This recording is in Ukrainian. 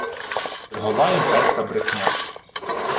Чергова імперська брехня